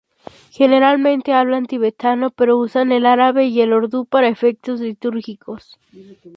Generalmente hablan tibetano pero usan el árabe y el urdu para efectos litúrgicos.